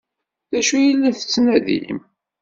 D acu ay la tettnadim?